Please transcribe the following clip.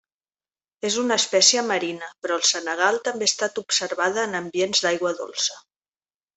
És una espècie marina però al Senegal també ha estat observada en ambients d'aigua dolça.